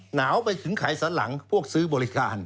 หนาวไปถึงไขสันหลังพวกซื้อบริการ